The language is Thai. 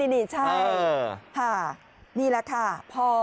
นี่ใช่ค่ะนี่แหละค่ะ